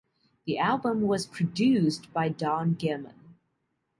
The album was produced by Don Gehman.